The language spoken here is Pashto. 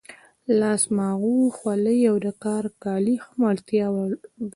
لاس ماغو، خولۍ او د کار کالي هم د اړتیا وړ دي.